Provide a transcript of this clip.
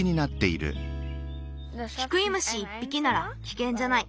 キクイムシ１ぴきならきけんじゃない。